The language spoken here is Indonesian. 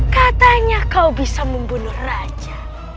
katanya kau bisa membunuh raja